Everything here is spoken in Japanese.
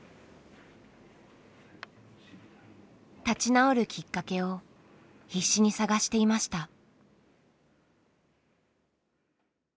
立ち直るきっかけを必死に探していました。